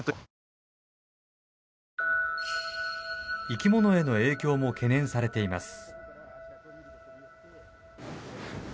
生き物への影響も懸念されています。